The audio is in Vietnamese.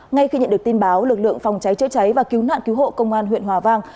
ngay khi nhận được tin báo lực lượng phòng cháy chữa cháy và cứu nạn cứu hộ công an huyện hòa vang